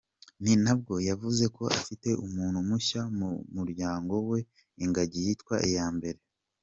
Ni nabwo yavuze ko afite umuntu mushya mu muryango we ‘Ingagi yitwa Iyambere’.